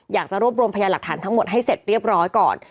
อยากจะรวบรวมพยานหลักฐานทั้งหมดให้เสร็จเรียบร้อยก่อน